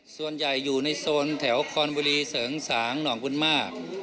ส่วนใหญ่อยู่ในโซนแถวคอนบุรีเสริงสางหนองบุญมาก